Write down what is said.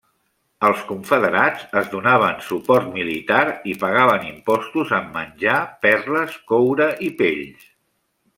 Els confederats es donaven suport militar i pagaven impostos en menjar, perles, coure i pells.